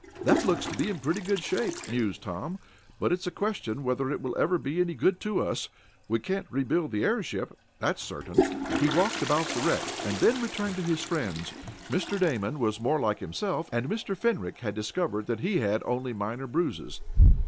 "That looks to be in pretty good shape." mused Tom, "but it's a question whether it will ever be any good to us. We can't rebuild the airship here, that's certain." He walked about the wreck, and then returned to his friends. Mr. Damon was more like himself, and Mr. Fenwick had discovered that he had only minor bruises.